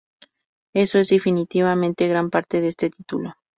Eso es definitivamente gran parte de este título".